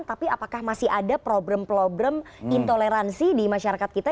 tapi apakah masih ada problem problem intoleransi di masyarakat kita